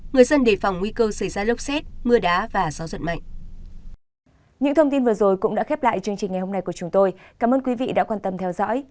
người dân đề phòng nguy cơ xảy ra lốc xét mưa đá và gió giật mạnh